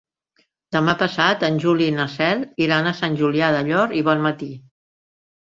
Demà passat en Juli i na Cel iran a Sant Julià del Llor i Bonmatí.